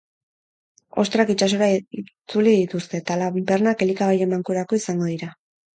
Ostrak itsasora itzuli dituzte, eta lanpernak elikagaien bankurako izango dira.